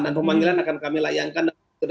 dan pemanggilan akan kami layankan